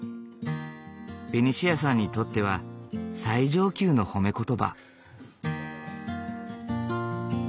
ベニシアさんにとっては最上級の褒め言葉。